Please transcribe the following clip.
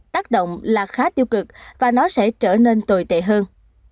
tác động là khá tiêu cực và nó sẽ trở nên tồi tệ hơn